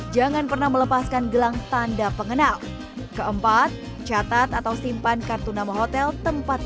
jangan pernah melepaskan gelang tanda pengenal keempat catat atau simpan kartu nama hotel tempat